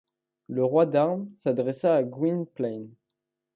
Le roi d’armes s’adressa à Gwynplaine.